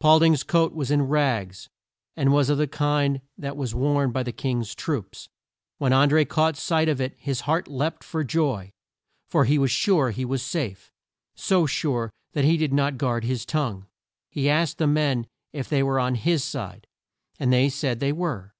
Paul ding's coat was in rags, and was of the kind that was worn by the King's troops. When An dré caught sight of it his heart leapt for joy, for he was sure he was safe. So sure that he did not guard his tongue. He asked the men if they were on his side, and they said they were.